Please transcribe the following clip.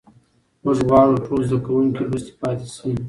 موږ غواړو ټول زده کوونکي لوستي پاتې سي.